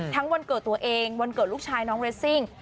วันเกิดตัวเองวันเกิดลูกชายน้องเรสซิ่ง